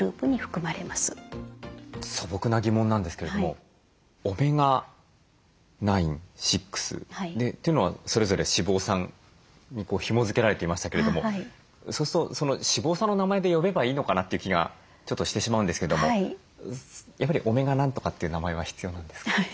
素朴な疑問なんですけれどもオメガ９６というのはそれぞれ脂肪酸にひもづけられていましたけれどもそうすると脂肪酸の名前で呼べばいいのかなという気がちょっとしてしまうんですけどもやっぱりオメガなんとかっていう名前は必要なんですか？